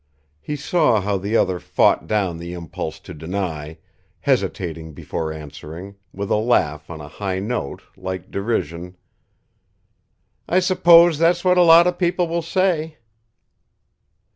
He saw how the other fought down the impulse to deny, hesitating before answering, with a laugh on a high note, like derision: "I suppose that's what a lot of people will say."